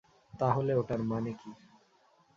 তাহলে ওটার মানে কী?